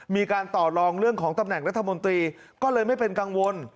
มีการต่อลองเรื่องของตำแหน่งรัฐมนตรีก็เลยไม่เป็นกังวล